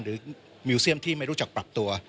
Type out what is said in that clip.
มิวเซียมที่ไม่รู้จักปรับตัว